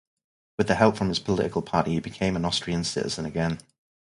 With help from his political party, he became an Austrian citizen again.